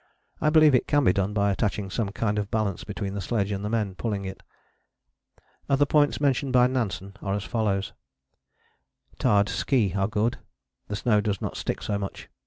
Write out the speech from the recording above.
I believe it can be done by attaching some kind of balance between the sledge and the men pulling it. Other points mentioned by Nansen are as follows: Tarred ski are good: the snow does not stick so much.